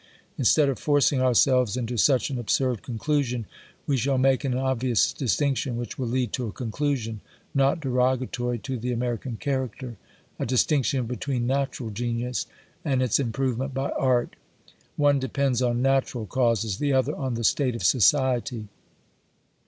Instead of forcing ourselves into such an absurd con clusion, we shall make an obvious distinction, which will lead to a conclusion, not derogatory to the Amer ican character; a distinction between natural genius, and its improvement by art. One depends on natural causes ; the other, on the state of society.